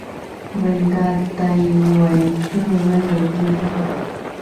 ګلداد ته یې وویل: ته غلی کېنه.